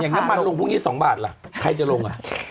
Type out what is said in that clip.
อย่างน้ำมันลงพรุ่งนี้๒บาทเหรอใครจะลง